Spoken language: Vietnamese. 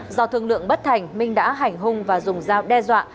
do thương lượng bất thành minh đã hành hung và dùng dao đe dọa